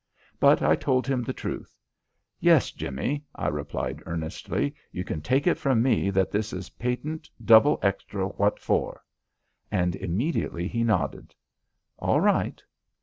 But I told him the truth. "Yes, Jimmie," I replied earnestly. "You can take it from me that this is patent, double extra what for." And immediately he nodded. "All right."